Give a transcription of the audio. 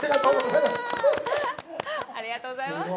ありがとうございます。